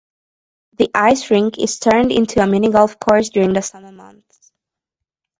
The ice rink is turned into a mini-golf course during the summer months.